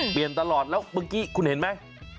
เปลี่ยนตลอดแล้วเมื่อกี้คุณเห็นไหม